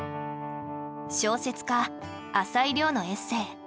小説家朝井リョウのエッセイ